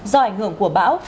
do ảnh hưởng của bão